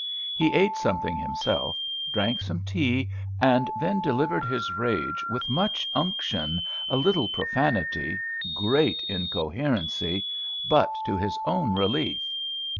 He ate something himself, drank some tea, and then delivered his rage with much unction, a little profanity, great incoherency, but to his own relief.